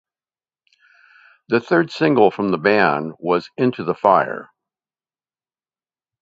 The third single from the band was "Into the Fire".